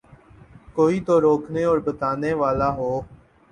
کوئی تو روکنے اور بتانے والا ہو۔